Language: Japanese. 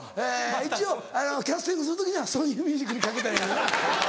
一応キャスティングする時にはソニーミュージックにかけたらええねんな。